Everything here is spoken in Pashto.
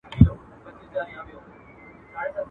له شنو دښتونو به سندري د کیږدیو راځي.